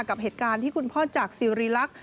กับเหตุการณ์ที่คุณพ่อจากสิริรักษ์